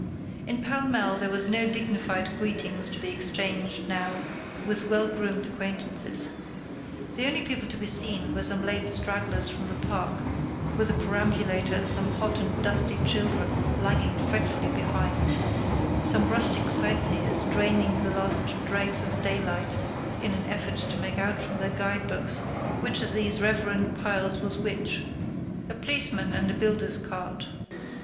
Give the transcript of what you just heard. In Pall Mall there were no dignified greetings to be exchanged now with well groomed acquaintances. The only people to be seen were some late stragglers from the park, with a perambulator and some hot and dusty children lagging fretfully behind; some rustic sightseers draining the last dregs of the daylight in an effort to make out from their guide books which of these reverend piles was which; a policeman and a builder's cart.